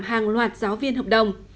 hàng loạt giáo viên hợp đồng